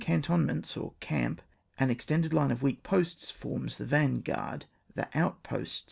21 cantonments or camp, an extended line of weak posts, forms the vanguard, the autposU.